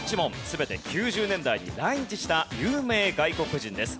全て９０年代に来日した有名外国人です。